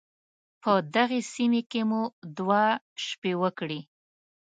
په دغې سيمې کې مو دوه شپې وکړې.